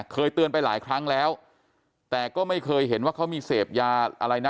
เคยเตือนไปหลายครั้งแล้วแต่ก็ไม่เคยเห็นว่าเขามีเสพยาอะไรนะ